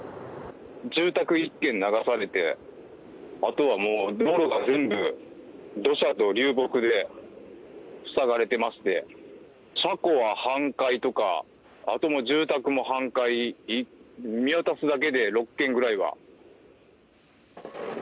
住宅１軒流されて、あとはもう道路が全部、土砂と流木で塞がれてまして、車庫は半壊とか、あともう、住宅も半壊、見渡すだけで６軒ぐらいは。